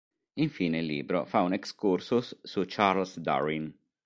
Infine il libro fa un excursus su Charles Darwin.